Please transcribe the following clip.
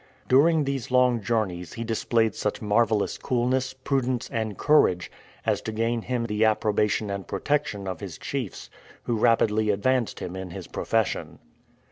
During these long journeys he displayed such marvelous coolness, prudence, and courage, as to gain him the approbation and protection of his chiefs, who rapidly advanced him in his profession.